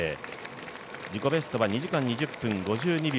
自己ベストは、２時間５９分２２秒。